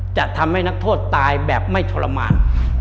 จะทำให้นักโทษตายแบบไม่ทรมาน